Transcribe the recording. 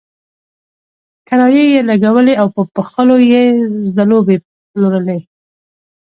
کرایي یې لګولی او په پخولو یې ځلوبۍ پلورلې.